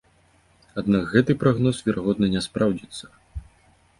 Аднак гэты прагноз верагодна не спраўдзіцца.